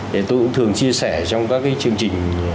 tôi cũng thường chia sẻ trong các chương trình